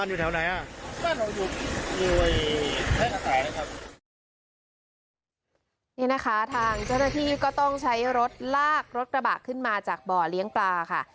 นี่นะคะทางเจ้าหน้าที่ก็ต้องใช้รถลากรถกระบะขึ้นมาจากบ่อเลี้ยงปลาค่ะ